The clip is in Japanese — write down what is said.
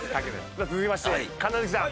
さあ続きまして神奈月さん。